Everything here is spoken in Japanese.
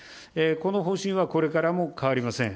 この方針はこれからも変わりません。